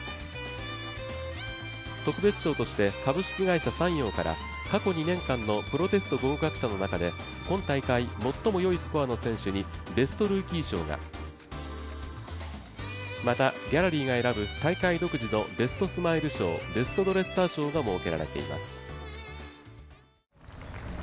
特別賞として、株式会社三陽から、過去２年間のプロテスト合格者の中で今大会最も良いスコアの選手にベストルーキー賞が、また、ギャラリーが選ぶ大会独自のベストスマイル賞、ベストドレッサー賞が設けられています。